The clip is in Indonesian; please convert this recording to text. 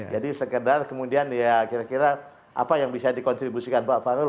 jadi sekedar kemudian ya kira kira apa yang bisa dikontribusikan pak fahrul